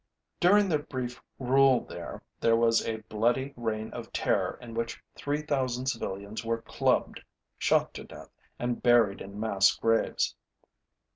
During their brief rule there, there was a bloody reign of terror in which 3,000 civilians were clubbed, shot to death, and buried in mass graves.